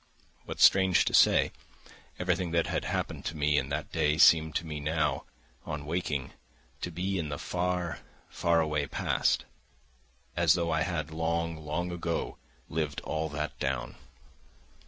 But strange to say, everything that had happened to me in that day seemed to me now, on waking, to be in the far, far away past, as though I had long, long ago lived all that down.